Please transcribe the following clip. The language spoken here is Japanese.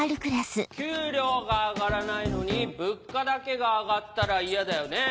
給料が上がらないのに物価だけが上がったら嫌だよね。